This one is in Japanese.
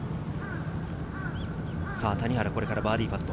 谷原、これからバーディーパット。